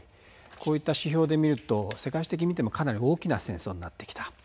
こういった指標で見ると世界史的に見てもかなり大きな戦争になってきた。